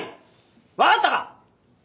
わかったか！